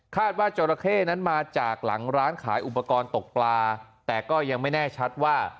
ว่าจราเข้นั้นมาจากหลังร้านขายอุปกรณ์ตกปลาแต่ก็ยังไม่แน่ชัดว่า